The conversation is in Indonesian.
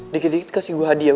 dikit dikit kasih gue hadiah